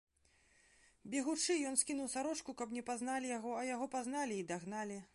Бегучы ён скінуў сарочку, каб не пазналі яго, а яго пазналі і дагналі.